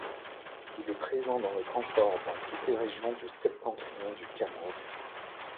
Il est présent dans le transport dans toutes les régions du septentrion du Cameroun.